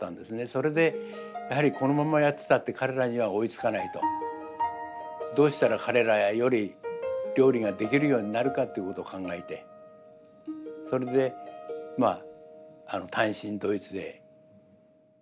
それでやはりこのままやってたって彼らには追いつかないと。どうしたら彼らより料理ができるようになるかっていうことを考えてそれでまあ単身ドイツへ。